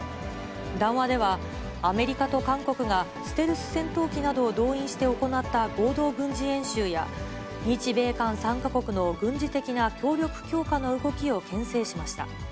談話では、アメリカと韓国がステルス戦闘機などを動員して行った合同軍事演習や、日米韓３か国の軍事的な協力強化の動きをけん制しました。